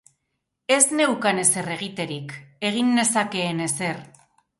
Ez neukan ezer egiterik, egin nezakeen ezer.